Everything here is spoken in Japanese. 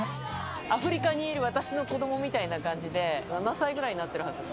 アフリカにいる私の子どもみたいな感じで、７歳ぐらいになってるはずです。